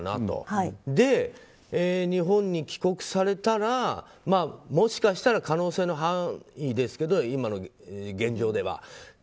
それで日本に帰国されたらもしかしたら可能性の範囲ですけど今の現状では。